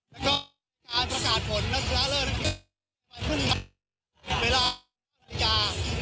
แล้วก็เข้ามาประกาศผลนักษณะเลิศิภัยอยู่ขึ้นครับเวลาหลายต่าง